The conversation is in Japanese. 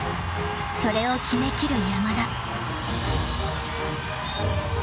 ［それを決めきる山田］